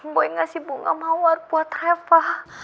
boleh ngasih bunga mawar buat reva